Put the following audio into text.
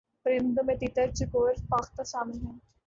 پرندوں میں تیتر چکور فاختہ شامل ہیں